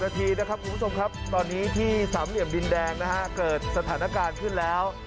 ตอนนี้ที่สามเหลี่ยมดินแดงนะครับเกิดสถานการณ์ขึ้นแล้ว